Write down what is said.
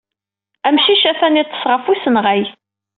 Amcic atan yeḍḍes ɣef usenɣay.